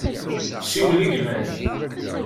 Siwel i gma-k.